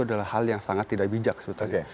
adalah hal yang sangat tidak bijak sebetulnya